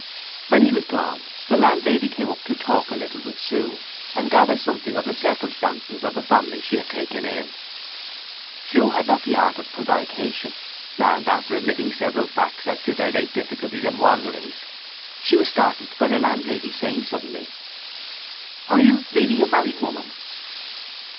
When he was gone the landlady came up to talk a little with Sue, and gather something of the circumstances of the family she had taken in. Sue had not the art of prevarication, and, after admitting several facts as to their late difficulties and wanderings, she was startled by the landlady saying suddenly: "Are you really a married woman?"